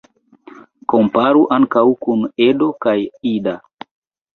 Komparu ankaŭ kun "Edo" kaj "Ida".